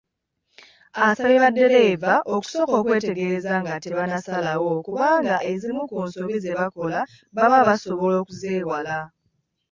Asabye baddereeva okusooka okwetegereza nga tebannasalawo kubanga ezimu ku nsobi ze bakola baba basobola okuzeewala.